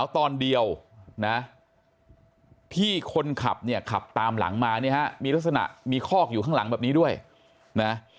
ตอนเดียวนะที่คนขับเนี่ยขับตามหลังมาเนี่ยฮะมีลักษณะมีคอกอยู่ข้างหลังแบบนี้ด้วยนะ